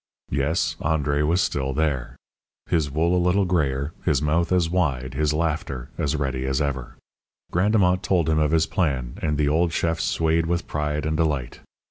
Yes, André was still there; his wool a little grayer; his mouth as wide; his laughter as ready as ever. Grandemont told him of his plan, and the old chef swayed with pride and delight.